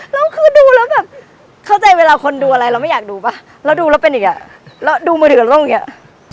แล้วคือดูแล้วแบบเข้าใจเวลาคนดูอะไรเราไม่อยากดูป่ะเราดูแล้วเป็นอีกอ่ะเราดูมือถือกับโลกอย่างเงี้ย